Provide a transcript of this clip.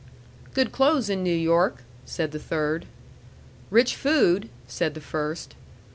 "Good clothes in New York," said the third. "Rich food," said the first.